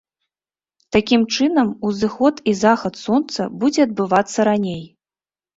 Такім чынам, узыход і захад сонца будзе адбывацца раней.